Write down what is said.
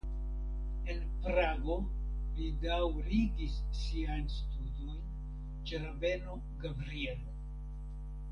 En Prago li daŭrigis siajn studojn ĉe rabeno Gabrielo.